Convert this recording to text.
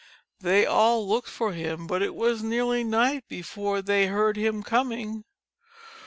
They all looked for him but it was nearly night be fore they heard him coming.